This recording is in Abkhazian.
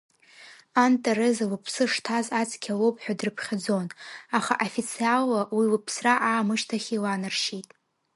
Ан Тереза лыԥсы шҭаз Ацқьа лоуп ҳәа дрыԥхьаӡон, аха официалла уи лыԥсра аамышьҭахь иланаршьеит.